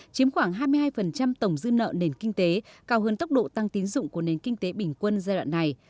chiếm khoảng hai mươi hai tổng dư nợ nền kinh tế cao hơn tốc độ tăng tín dụng của nền kinh tế bình quân giai đoạn này